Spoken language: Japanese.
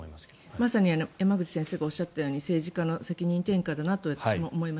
まさに山口先生がおっしゃったように政治家の責任転嫁だなと私も思います。